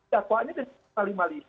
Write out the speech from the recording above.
jadwalnya di pasal lima puluh lima